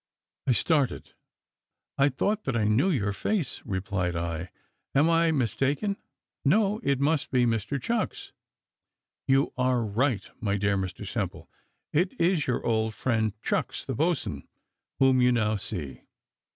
I started "I thought that I knew your face," replied I; "am I mistaken? no, it must be Mr Chucks!" "You are right, my dear Mr Simple; it is your old friend, Chucks, the boatswain, whom you now see."